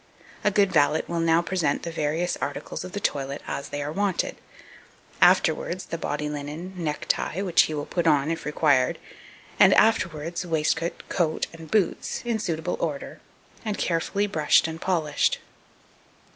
A good valet will now present the various articles of the toilet as they are wanted; afterwards, the body linen, neck tie, which he will put on, if required, and, afterwards, waistcoat, coat, and boots, in suitable order, and carefully brushed and polished.